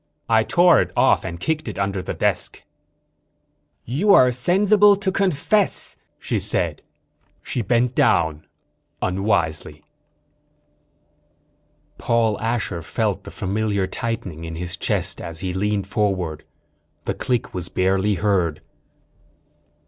"I tore it off and kicked it under the desk." "You are sensible to confess," she said. She bent down, unwisely. _Paul Asher felt the familiar tightening in his chest as he leaned forward. The click was barely heard.